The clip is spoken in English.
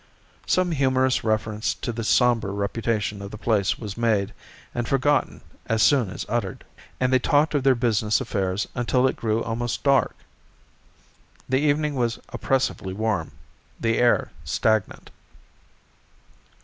Some humorous reference to the somber reputation of the place was made and forgotten as soon as uttered, and they talked of their business affairs until it grew almost dark. The evening was oppressively warm, the air stagnant.